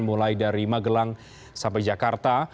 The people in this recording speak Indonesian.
mulai dari magelang sampai jakarta